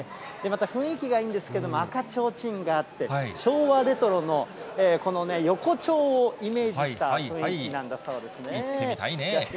また、雰囲気がいいんですけれども、赤ちょうちんがあって、昭和レトロのこのね、横丁をイメージした雰囲気なんだそうですね。